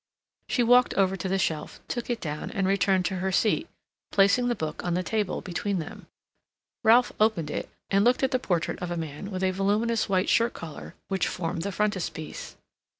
She walked over to the shelf, took it down, and returned to her seat, placing the book on the table between them. Ralph opened it and looked at the portrait of a man with a voluminous white shirt collar, which formed the frontispiece.